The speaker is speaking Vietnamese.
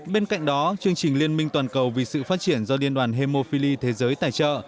bên cạnh đó chương trình liên minh toàn cầu vì sự phát triển do liên đoàn hemophili thế giới tài trợ